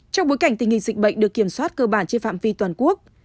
trong bối cảnh tình hình dịch bệnh được kiểm soát cơ bản trên phạm vi toàn quốc